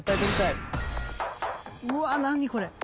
うわ何これ。